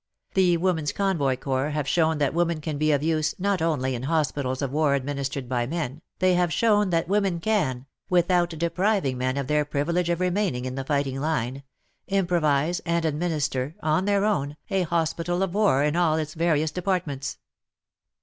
The Women's Convoy Corps have shown that women can be of use not only in hospitals of war administered by men, they have shown that women can — without depriving men of their privilege of remaining in the fighting line — improvize and administer, on their own, a hospital of war in all its various departments.